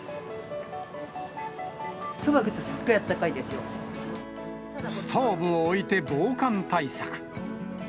そばに行くとすっごく暖かいストーブを置いて防寒対策。